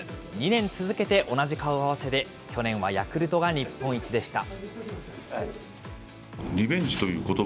２年続けて同じ顔合わせで、去年はヤクルトが日本一でした。